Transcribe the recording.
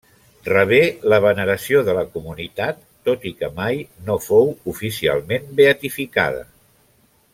Rebé la veneració de la comunitat, tot i que mai no fou oficialment beatificada.